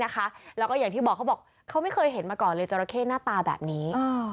ก็อย่างที่บอกเขาบอกไม่เคยเห็นมาก่อนหน้าตาแบบนี้